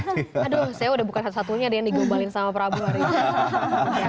aduh saya udah bukan satu satunya deh yang digobalin sama prabowo hari ini